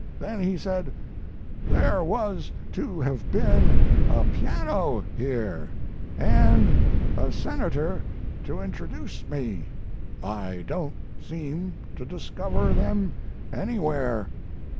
Then he said: 'There was to have been a piano here, and a senator to introduce me. I don't seem to discover them anywhere.